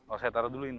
oh saya taruh dulu ini